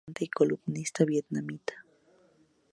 Es una cantante y columnista vietnamita.